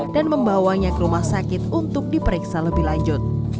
dan membawanya ke rumah sakit untuk diperiksa lebih lanjut